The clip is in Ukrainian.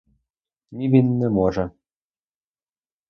Ні, він не може.